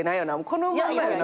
このまんまやんな。